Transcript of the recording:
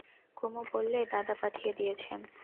কুমু বললে, দাদা পাঠিয়ে দিয়েছেন।